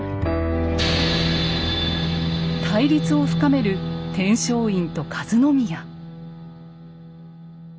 対立を深める天璋院と和宮。